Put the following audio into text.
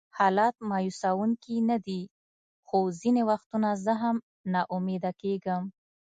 حالات مایوسونکي نه دي، خو ځینې وختونه زه هم ناامیده کېږم.